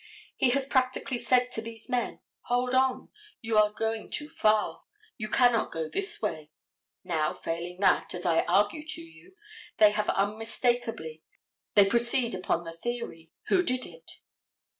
He has practically said to these men: "Hold on, you are going too far; you cannot go this way." Now failing in that, as I argue to you, they have unmistakably, they proceed upon the theory, who did it?